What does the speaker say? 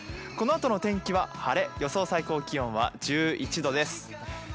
このあとの天気は晴れ、予想最高気温は１１度です。